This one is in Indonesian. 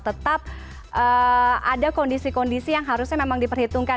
tetap ada kondisi kondisi yang harusnya memang diperhitungkan